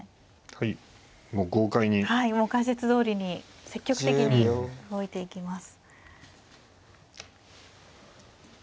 はいもう解説どおりに積極的に動いていきます。